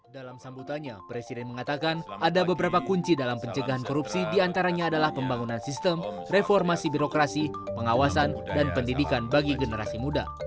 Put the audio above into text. dalam sambutannya presiden mengatakan ada beberapa kunci dalam pencegahan korupsi diantaranya adalah pembangunan sistem reformasi birokrasi pengawasan dan pendidikan bagi generasi muda